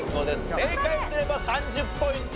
正解すれば３０ポイント入ります。